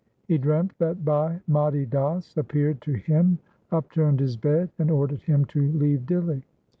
He dreamt that Bhai Mati Das appeared to him, upturned his bed, and ordered him to leave Dihli.